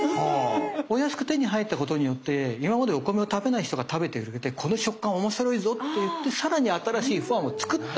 お安く手に入ったことによって今までお米を食べない人が食べてくれてこの食感面白いぞっと言ってさらに新しいファンを作ったお米でもあるので。